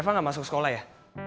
reva gak masuk sekolah ya